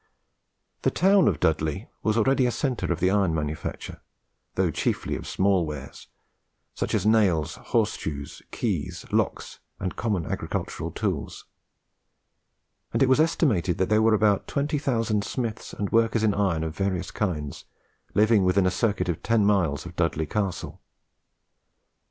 The town of Dudley was already a centre of the iron manufacture, though chiefly of small wares, such as nails, horse shoes, keys, locks, and common agricultural tools; and it was estimated that there were about 20,000 smiths and workers in iron of various kinds living within a circuit of ten miles of Dudley Castle.